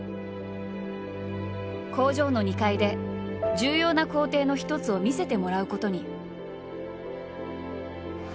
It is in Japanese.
工場の２階で重要な工程の一つを見せてもらうことに。